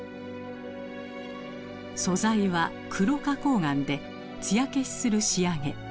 素材は黒花崗岩で艶消しする仕上げ。